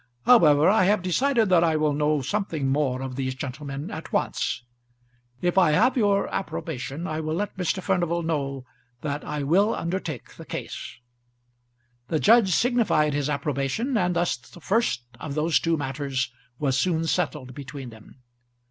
However I have decided that I will know something more of these gentlemen at once. If I have your approbation I will let Mr. Furnival know that I will undertake the case." The judge signified his approbation, and thus the first of those two matters was soon settled between them.